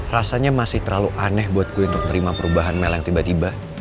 rasanya masih terlalu aneh buat gue untuk menerima perubahan mel yang tiba tiba